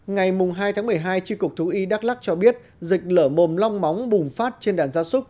ngày hai tháng một mươi hai tri cục thú y đắk lắc cho biết dịch lở mồm long móng bùng phát trên đàn gia súc